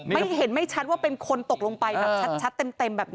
ไม่เห็นไม่ชัดว่าเป็นคนตกลงไปแบบชัดเต็มแบบนี้